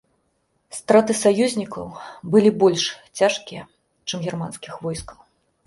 Страты саюзнікаў былі больш цяжкія, чым германскіх войскаў.